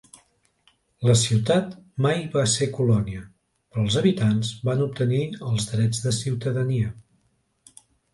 La ciutat mai va ser colònia, però els habitants van obtenir els drets de ciutadania.